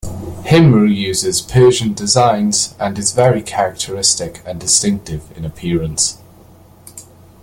Himroo uses Persian designs, and is very characteristic and distinctive in appearance.